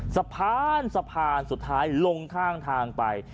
สะพานสะพานสุดท้ายลงข้างทางไป